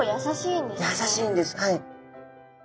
やさしいんですはい。